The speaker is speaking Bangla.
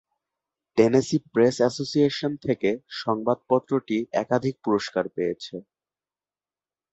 টেনেসি প্রেস অ্যাসোসিয়েশন থেকে সংবাদপত্রটি একাধিক পুরস্কার পেয়েছে।